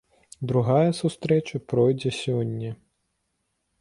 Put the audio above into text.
Другая сустрэча пройдзе сёння.